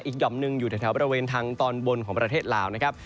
หย่อมหนึ่งอยู่แถวบริเวณทางตอนบนของประเทศลาวนะครับ